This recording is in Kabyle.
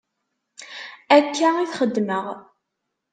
Akka i t-xeddmeɣ.